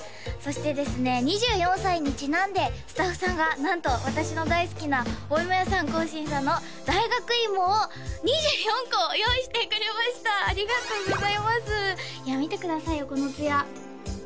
そしてですね２４歳にちなんでスタッフさんがなんと私の大好きなおいもやさん興伸さんの大学いもを２４個用意してくれましたありがとうございますいや見てくださいよこの艶いや